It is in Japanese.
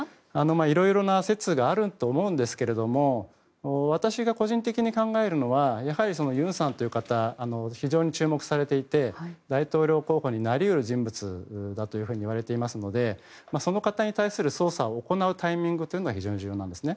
色々な説があると思うんですけども私が個人的に考えるのはやはりユンさんという方非常に注目されていて大統領候補になり得る人物だといわれていますのでその方に対する捜査を行うタイミングというのは非常に重要なんですね。